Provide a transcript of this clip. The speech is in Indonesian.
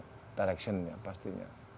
personality beda direction ya pastinya